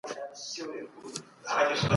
ګراني! زر واره درتا ځار سمه زه